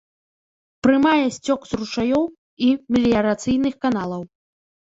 Прымае сцёк з ручаёў і меліярацыйных каналаў.